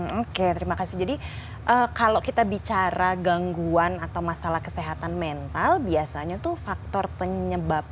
oke terima kasih jadi kalau kita bicara gangguan atau masalah kesehatan mental biasanya tuh faktor penyebab